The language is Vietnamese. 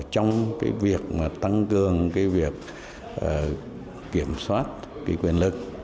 trong việc tăng cường việc kiểm soát quyền lực